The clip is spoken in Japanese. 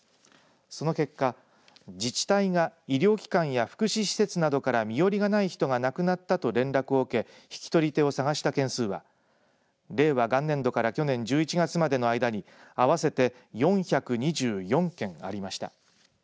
その結果、自治体が医療機関や福祉施設などから身寄りがない人が亡くなったと連絡を受け引き取り手を探した件数は令和元年度から去年１１月までの間に合わせて４２４件ありました。